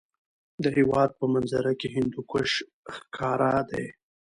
د هېواد په منظره کې هندوکش ښکاره دی.